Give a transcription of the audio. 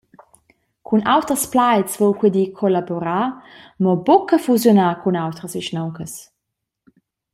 Cun auters plaids vul quei dir collaborar, mo buca fusiunar cun autras vischnauncas?